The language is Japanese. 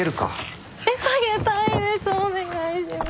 お願いします。